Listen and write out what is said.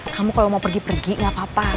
kamu kalau mau pergi pergi nggak apa apa